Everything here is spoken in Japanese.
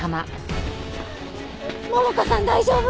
桃香さん大丈夫？